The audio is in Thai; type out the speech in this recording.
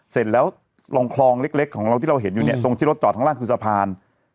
เสร็จแล้วลงคลองเล็กของเราที่เราเห็นอยู่เนี่ยตรงที่รถจอดข้างล่างคือสะพาน